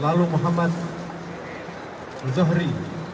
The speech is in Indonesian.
lalu muhammad zohri